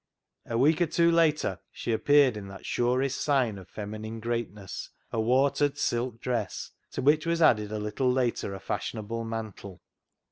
A week or two later she appeared in that surest sign of feminine greatness, a watered silk dress, to which was added a little later a fashionable mantle.